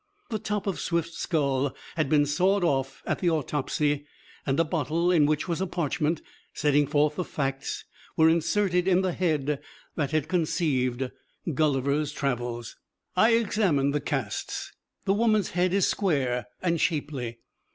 The top of Swift's skull had been sawed off at the autopsy, and a bottle in which was a parchment setting forth the facts was inserted in the head that had conceived "Gulliver's Travels." I examined the casts. The woman's head is square and shapely.